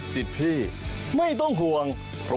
สิทธิ์พี่ไม่ต้องห่วง